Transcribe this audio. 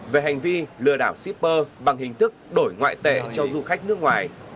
về hành vi lừa đảo shipper bằng hình thức đổi ngoại tệ cho du khách nước ngoài